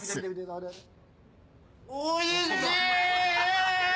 おいしい！